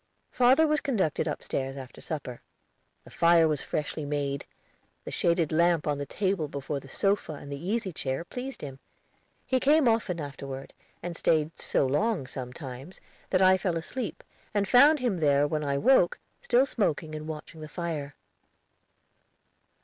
Father was conducted upstairs, after supper. The fire was freshly made; the shaded lamp on the table before the sofa and the easy chair pleased him. He came often afterward, and stayed so long, sometimes, that I fell asleep, and found him there, when I woke, still smoking and watching the fire.